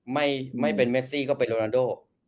ไม่เป็นเมซี่ก็เป็นโรนาโด